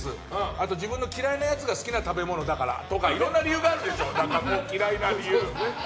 あとは、自分の嫌いなやつが好きな食べ物だからとかいろんな理由があるでしょ。